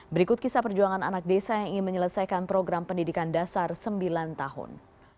berikut kisah perjuangan anak desa yang ingin menyelesaikan program pendidikan dasar sembilan tahun